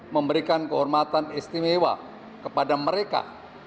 memberikan kehormatan istimewa kepada mereka